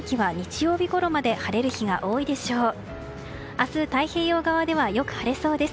明日、太平洋側ではよく晴れそうです。